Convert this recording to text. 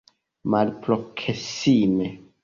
malproksime